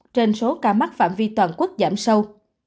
trên số ca mắc phạm vi toàn quốc giảm sâu